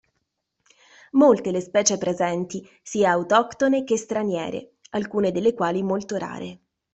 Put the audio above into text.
Molte le specie presenti, sia autoctone che straniere, alcune delle quali molto rare.